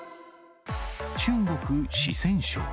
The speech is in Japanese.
中国・四川省。